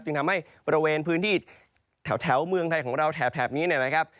จึงทำให้บริเวณพื้นที่แถวเมืองไทยของเราแถบนี้นะครับ